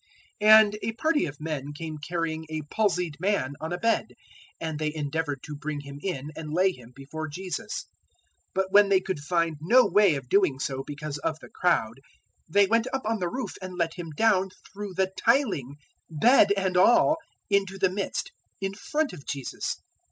005:018 And a party of men came carrying a palsied man on a bed, and they endeavoured to bring him in and lay him before Jesus. 005:019 But when they could find no way of doing so because of the crowd, they went up on the roof and let him down through the tiling bed and all into the midst, in front of Jesus.